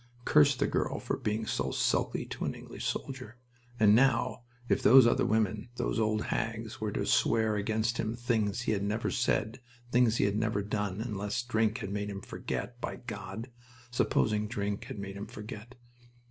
Curse the girl for being so sulky to an English soldier!... And now, if those other women, those old hags, were to swear against him things he had never said, things he had never done, unless drink had made him forget by God! supposing drink had made him forget?